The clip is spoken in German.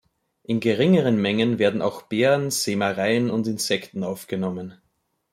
In geringeren Mengen werden auch Beeren, Sämereien und Insekten aufgenommen.